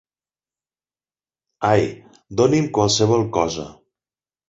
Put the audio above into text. Ai, doni'm qualsevol cosa.